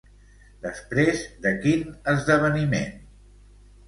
Després de quin esdeveniment?